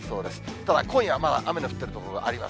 ただ、今夜、雨の降っている所があります。